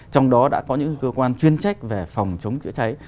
trong đó đã có những cơ quan chuyên trách về phòng chống chữa cháy